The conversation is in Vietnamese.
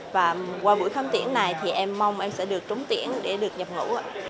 và qua buổi khám tuyển này thì em mong em sẽ được trúng tuyển để được nhập ngũ